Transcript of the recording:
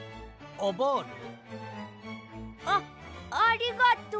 あっありがとう。